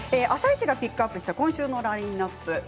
「あさイチ」がピックアップした今週のラインナップ